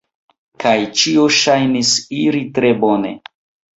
Kaj ĉio ŝajnis iri tre bone.